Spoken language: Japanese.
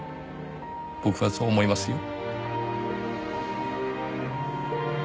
僕はそう思いますよ。